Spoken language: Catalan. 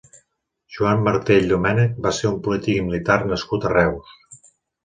Joan Martell Domènech va ser un polític i militar nascut a Reus.